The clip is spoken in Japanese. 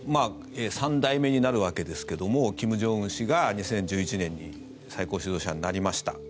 ３代目になるわけですけども金正恩氏が２０１１年に最高指導者になりました。